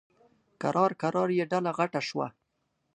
کرار کرار یې ډله غټه شوه.